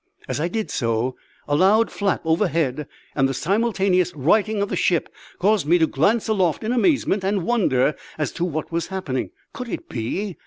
As I did so, a loud flap overhead and the simultaneous righting of the ship caused me to glance aloft in amazement and wonder as to what was happening. Could it be?